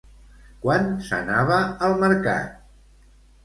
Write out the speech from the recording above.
Quan s'anava al mercat?